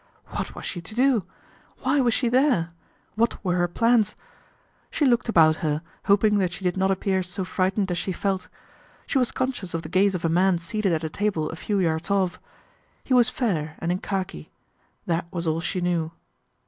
What was she to do ? Why was she there ? What were her plans ? She looked about her, hoping that she did not appear so frightened as she felt. She was conscious of the gaze of a man seated at a table a few yards off. He was fair and in khaki. That was all she knew.